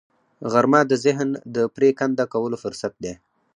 غرمه د ذهن د پرېکنده کولو فرصت دی